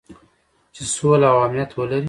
چې سوله او امنیت ولري.